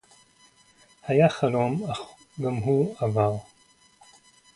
הָיָה חֲלוֹם – אַךְ גַּם הוּא עָבָר